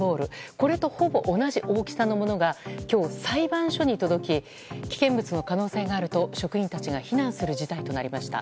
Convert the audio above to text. これと、ほぼ同じ大きさのものが今日裁判所に届き危険物の可能性があると職員たちが避難する事態となりました。